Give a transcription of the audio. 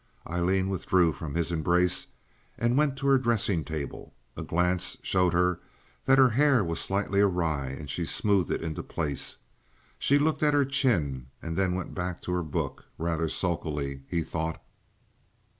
Aileen withdrew from his embrace and went to her dressing table. A glance showed her that her hair was slightly awry, and she smoothed it into place. She looked at her chin, and then went back to her book—rather sulkily, he thought.